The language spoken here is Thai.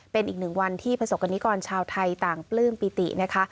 เป็นอีกหนึ่งวันที่ประสบกรณิกรชาวไทยต่างปลื้มปิตินะคะ